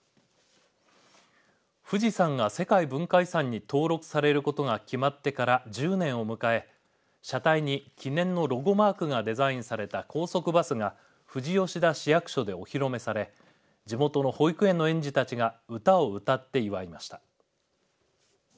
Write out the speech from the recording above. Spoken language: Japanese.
富士山が世界文化遺産に登録されてされることが決まってから１０年を迎え車体に記念のロゴマークがデザインされた高速バスが富士吉田市役所でお披露目され地元の保育園の園児たちが歌を歌って祝いました。